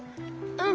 うん。